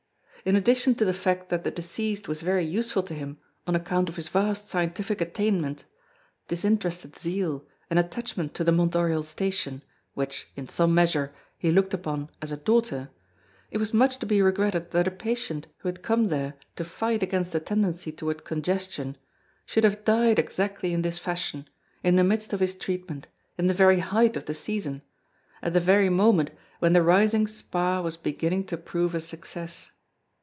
In addition to the fact that the deceased was very useful to him on account of his vast scientific attainments, disinterested zeal, and attachment to the Mont Oriol station, which, in some measure, he looked upon as a daughter, it was much to be regretted that a patient who had come there to fight against a tendency toward congestion should have died exactly in this fashion, in the midst of his treatment, in the very height of the season, at the very moment when the rising spa was beginning to prove a success.